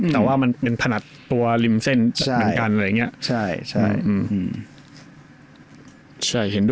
แต่ว่ามันเป็นขนัดตัวลิมเส้นเหมือนกัน